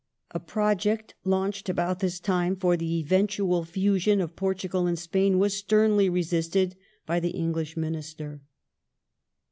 A project launched about this time for the eventual fusion of Portugal and Spain was sternly resisted by the English Minister.